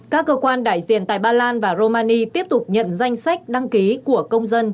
các cơ quan đại diện tại ba lan và romani tiếp tục nhận danh sách đăng ký của công dân